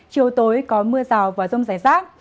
chiều tối có mưa rào và rông rải rác